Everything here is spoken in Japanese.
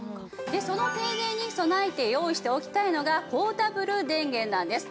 その停電に備えて用意しておきたいのがポータブル電源なんです。